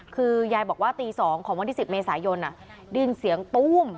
คือยายบอกว่าตี๒ของวันที่๑๐เมษายนได้ยินเสียงตู้ม